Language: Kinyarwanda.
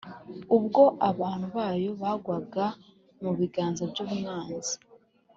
ubwo abantu bayo bagwaga mu biganza by’umwanzi